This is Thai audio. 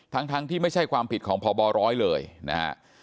ทั้งที่ไม่ใช่ความผิดของพบร้อยเลยนะฮะ